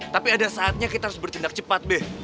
tapi ada saatnya kita harus bertindak cepat deh